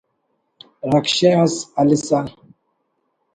رکشہ اس ہلیسہ